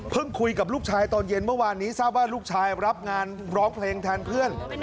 คุยกับลูกชายตอนเย็นเมื่อวานนี้ทราบว่าลูกชายรับงานร้องเพลงแทนเพื่อน